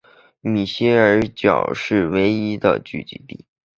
米歇尔角是其唯一聚居地。